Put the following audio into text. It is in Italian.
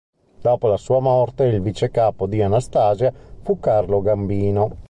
Dopo la sua morte il vicecapo di Anastasia fu Carlo Gambino.